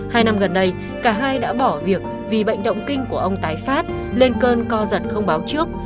hai năm gần đây cả hai đã bỏ việc vì bệnh động kinh của ông tái phát lên cơn co giật không báo trước